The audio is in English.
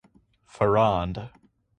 Farrand.